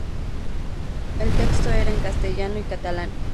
El texto era en castellano y catalán.